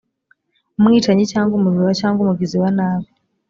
umwicanyi cyangwa umujura cyangwa umugizi wa nabi